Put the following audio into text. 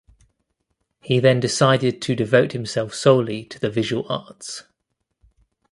He then decided to devote himself solely to the visual arts.